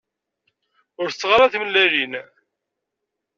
Ur tetteɣ ara timellalin.